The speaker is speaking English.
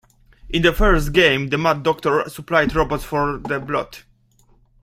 In the first game, the Mad Doctor supplied robots for the Blot.